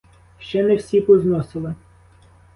Ще не всі позносили.